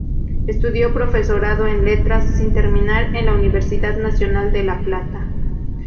Estudió Profesorado en Letras -sin terminar- en la Universidad Nacional de La Plata.